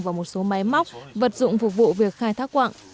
và một số máy móc vật dụng phục vụ việc khai thác quạng